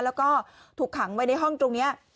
แล้วก็ถูกขังไว้ในห้องตรงนี้